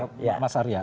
sebentar mas arya